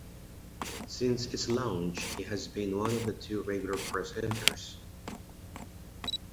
Since its launch he has been one of the two regular presenters.